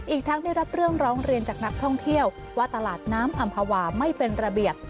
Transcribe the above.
อีกทั้งได้รับเรื่องร้องเรียนจากนักท่องเที่ยวว่าตลาดน้ำอำภาวาไม่เป็นระเบียบ